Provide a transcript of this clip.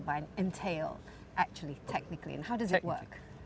sebenarnya teknisnya bagaimana itu berfungsi